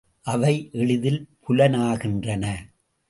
அவை எளிதில் புலனாகின்றன.